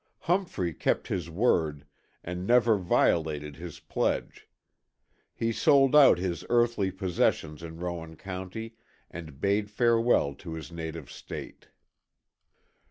Humphrey kept his word, and never violated his pledge. He sold out his earthly possessions in Rowan County and bade farewell to his native State.